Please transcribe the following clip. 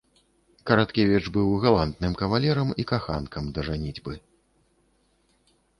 Караткевіч быў галантным кавалерам і каханкам да жаніцьбы.